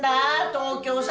東京さ